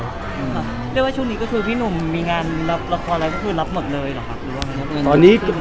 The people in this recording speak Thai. เรียกว่าช่วงนี้ก็คือพี่หนุ่มมีงานรับละครอะไรก็คือรับหมดเลยเหรอครับ